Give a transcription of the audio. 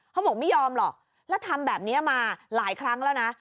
เขาบอกไม่ยอมหรอกแล้วทำแบบนี้มาหลายครั้งแล้วนะ